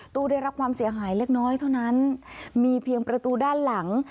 ได้รับความเสียหายเล็กน้อยเท่านั้นมีเพียงประตูด้านหลัง